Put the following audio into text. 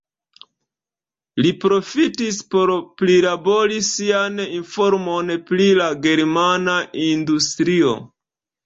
Li profitis por prilabori sian informon pri la germana industrio.